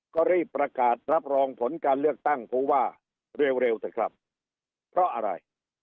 ก็รีบประกาศรับรองผลการเลือกตั้งผู้ว่าเร็วเถอะครับเพราะอะไร